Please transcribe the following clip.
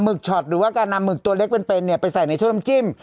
มึกชอตหรือว่าการนำมึกตัวเล็กเป็นเนี่ยไปใส่ในโชต้น้ำจิ้ม